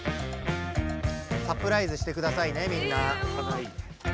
サプライズしてくださいねみんな。